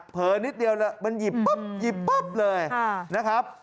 นิดเดียวแล้วมันหยิบปุ๊บหยิบปุ๊บเลยนะครับ